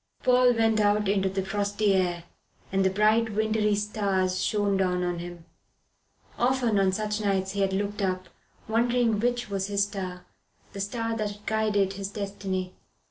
Paul went out into the frosty air, and the bright wintry stars shone down on him. Often on such nights he had looked up, wondering which was his star, the star that guided his destiny.